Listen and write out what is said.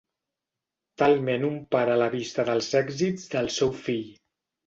Talment un pare a la vista dels èxits del seu fill.